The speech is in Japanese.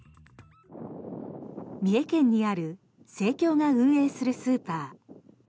三重県にある生協が運営するスーパー。